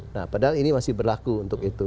nah padahal ini masih berlaku untuk itu